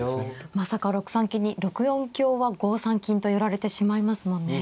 まさか６三金に６四香は５三金とやられてしまいますもんね。